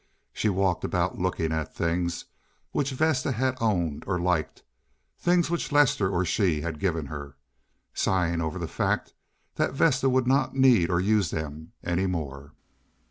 She walked about looking at things which Vesta had owned or liked—things which Lester or she had given her—sighing over the fact that Vesta would not need or use them any more.